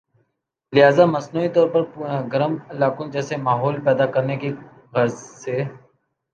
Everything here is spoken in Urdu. لہذا مصنوعی طور پر گرم علاقوں جیسا ماحول پیدا کرنے کی غرض سے